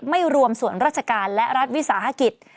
ไม่รวมส่วนราชการและรัฐวิสาหกิจ